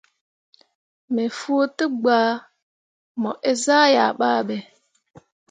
Me fuu degba mo eezah yah babe.